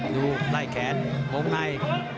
ดูร่ายแขนมองไห้